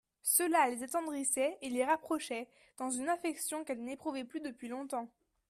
Cela les attendrissait et les rapprochait, dans une affection qu'elles n'éprouvaient plus depuis longtemps.